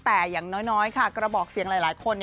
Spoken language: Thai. แต่อย่างน้อยค่ะกระบอกเสียงหลายคน